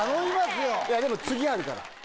でも、次あるから。